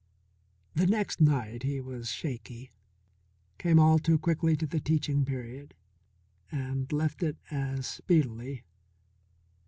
The next night he was shaky, came all too quickly to the teaching period, and left it as speedily.